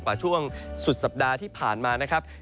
กว่าช่วงสุดสัปดาห์ที่ผ่านมานะครับ